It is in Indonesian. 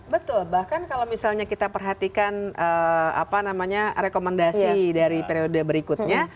betul bahkan kalau misalnya kita perhatikan rekomendasi dari periode berikutnya